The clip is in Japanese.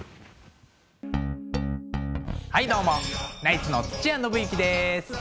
はいどうもナイツの土屋伸之です。